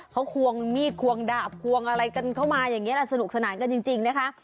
เขาควงมีดควงดาบควงอะไรกันเข้ามาอย่างนี้แหละสนุกสนานกันจริงนะคะ